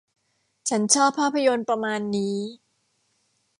ฉันชอบภาพยนตร์ประมาณนี้